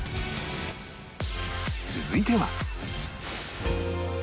続いては